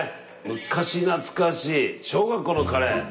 昔懐かしい小学校のカレー。